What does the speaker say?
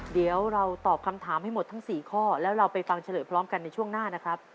เดี๋ยวเราตอบคำถามให้หมดทั้ง๔ข้อแล้วเราไปฟังเฉลยพร้อมกันในช่วงหน้านะครับ